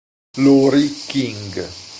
Laurie King